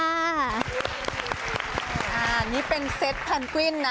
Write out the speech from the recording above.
อ่านี่เป็นเซตแพงกวิ้นนะ